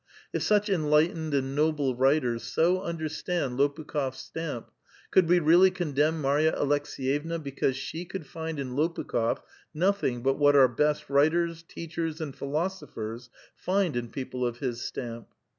If such enlightened and noble writers so understand lA)pukh6f s stamp, could we really condemn Marya Alekseyevna l>ecause she could find in Lopukh6f nothing but what our best writers, teachers, and philosopher iind in i)eople of his stanip?